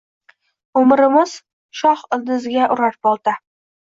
Umrimiz shoh ildiziga urar bolta